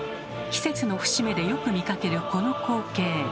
季節の節目でよく見かけるこの光景。